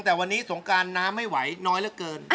แต่วันนี้สงการน้ำไม่ไหวน้อยเหลือเกิน